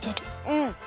うん。